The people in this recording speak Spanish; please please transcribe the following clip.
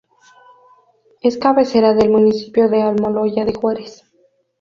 Es cabecera del municipio de Almoloya de Juárez.